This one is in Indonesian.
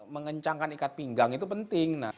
mengencangkan ikat pinggang itu penting